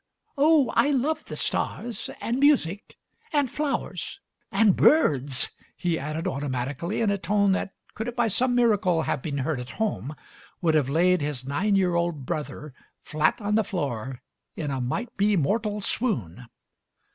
"Oh, I love the stars! And music — and flowers " "And birds/' he added automatically in a tone that, could it by some miracle have been heard at home, would have laid his nine year old brother flat on the floor in a might be mortal swoon.